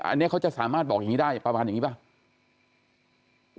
อันนี้เขาจะสามารถบอกอย่างนี้ได้ประมาณอย่างนี้ป่ะ